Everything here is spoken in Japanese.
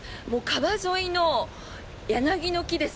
川沿いの柳の木